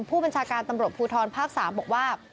ผู้บัญชาการตำรวจภูทรภาค๓บอกว่า